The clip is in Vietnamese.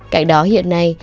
cảnh đó hiện nay